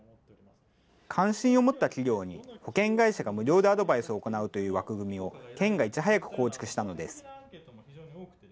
関心を持った企業に、保険会社が無料でアドバイスを行うという枠組みを県がいち早く構築したのです。